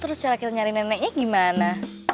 terus cara kita nyari neneknya gimana